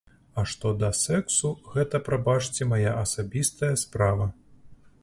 А што да сэксу, гэта, прабачце, мая асабістая справа.